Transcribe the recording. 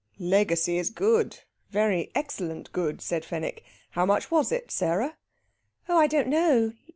"Legacy is good, very excellent good," said Fenwick. "How much was it, Sarah?" "Oh, I don't know.